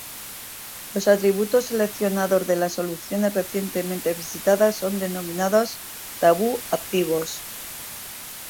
Los atributos seleccionados de las soluciones recientemente visitadas son denominados "tabú-activos.